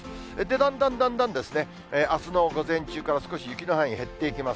だんだんだんだん、あすの午前中から、少し雪の範囲、減っていきます。